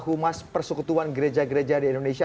humas persekutuan gereja gereja di indonesia